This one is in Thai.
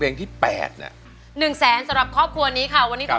ที่แปดน่ะหนึ่งแสนสำหรับครอบครัวนี้ค่ะวันนี้ต้อง